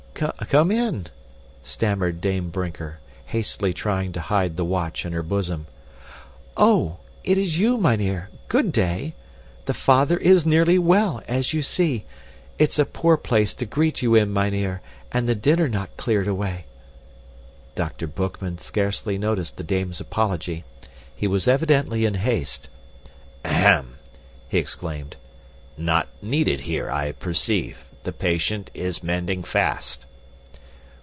"Come in," stammered Dame Brinker, hastily trying to hide the watch in her bosom. "Oh, is it you, mynheer! Good day! The father is nearly well, as you see. It's a poor place to greet you in, mynheer, and the dinner not cleared away." Dr. Boekman scarcely noticed the dame's apology. He was evidently in haste. "Ahem!" he exclaimed. "Not needed here, I perceive. The patient is mending fast."